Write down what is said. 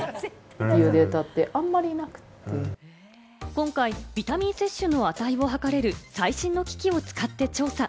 今回、ビタミン摂取の値を測れる最新の機器を使って調査。